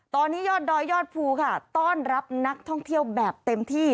ตอนนี้ยอดดอยยอดภูค่ะต้อนรับนักท่องเที่ยวแบบเต็มที่